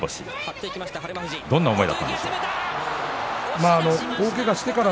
どんな思いだったんですか。